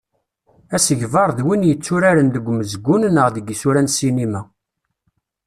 Asegbar d win yetturaren deg umezgun neɣ deg isura n ssinima.